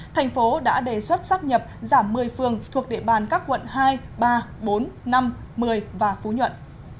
thành phố đã đề xuất sắp nhập giảm một mươi phường thuộc địa bàn các quận hai ba bốn năm một mươi và phú nhuận